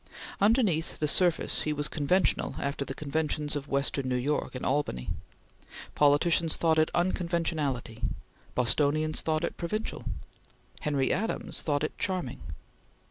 Underneath the surface he was conventional after the conventions of western New York and Albany. Politicians thought it unconventionality. Bostonians thought it provincial. Henry Adams thought it charming.